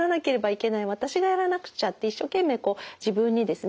私がやらなくちゃって一生懸命こう自分にですね